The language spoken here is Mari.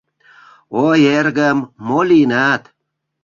— Ой, эргым, мо лийынат?